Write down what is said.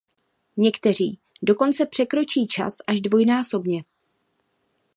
Někteří dokonce překročí čas až dvojnásobně.